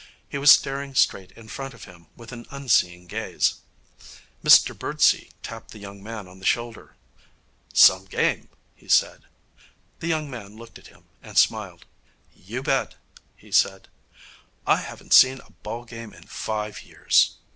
He was staring straight in front of him with an unseeing gaze. Mr Birdsey tapped the young man on the shoulder. 'Some game!' he said. The young man looked at him and smiled. 'You bet,' he said. 'I haven't seen a ball game in five years.'